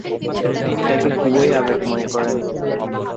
এটাকে খুবই আবেগময় করেন।